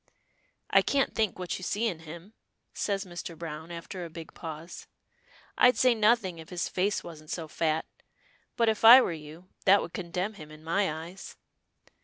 "I can't think what you see in him," says Mr. Browne, after a big pause. "I'd say nothing if his face wasn't so fat, but if I were you, that would condemn him in my eyes."